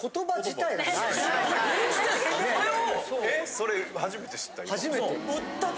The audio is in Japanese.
それ初めて知った今。